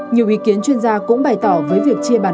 nhiều ý kiến chuyên gia cũng bày tỏ với việc chia bàn